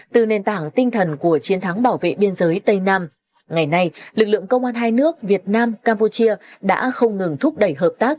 từ nền tảng tinh thần của chiến thắng bảo vệ biên giới tây nam ngày nay lực lượng công an hai nước việt nam campuchia đã không ngừng thúc đẩy hợp tác